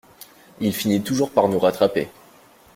Il finit toujours par nous rattraper.